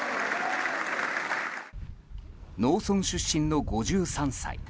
農村出身の５３歳。